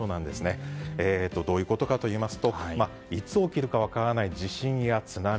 どういうことかといいますといつ起きるか分からない地震や津波。